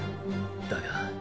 だが。